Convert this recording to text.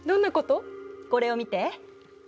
これを見て。